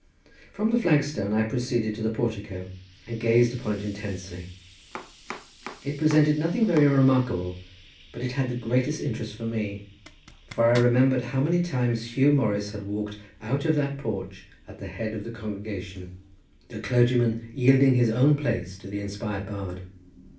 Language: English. From the flagstone I proceeded to the portico, and gazed upon it intensely. It presented nothing very remarkable, but it had the greatest interest for me, for I remembered how many times Huw Morris had walked out of that porch at the head of the congregation, the clergyman yielding his own place to the inspired bard.